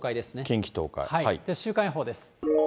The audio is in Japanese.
近畿、週間予報です。